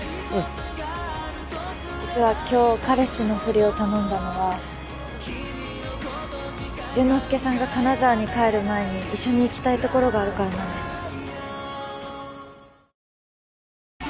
うん実は今日彼氏のフリを頼んだのは潤之介さんが金沢に帰る前に一緒に行きたいところがあるからなんです